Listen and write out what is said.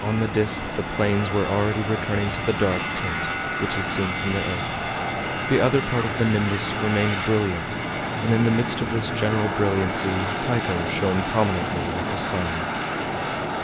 On the disc, the plains were already returning to the dark tint which is seen from the earth. The other part of the nimbus remained brilliant, and in the midst of this general brilliancy Tycho shone prominently like a sun.